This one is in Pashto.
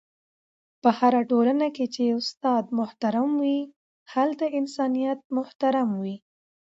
په هره ټولنه کي چي استاد محترم وي، هلته انسانیت محترم وي..